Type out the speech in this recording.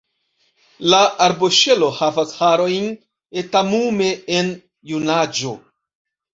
La arboŝelo havas harojn etamume en junaĝo.